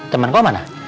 temen kau mana